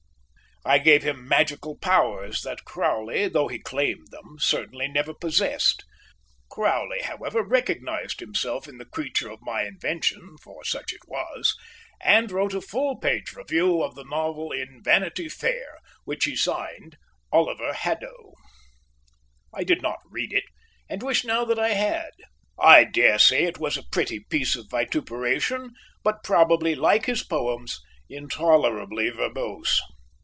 I gave him magical powers that Crowley, though he claimed them, certainly never possessed. Crowley, however, recognized himself in the creature of my invention, for such it was, and wrote a full page review of the novel in Vanity Fair, which he signed "Oliver Haddo". I did not read it, and wish now that I had. I daresay it was a pretty piece of vituperation, but probably, like his poems, intolerably verbose.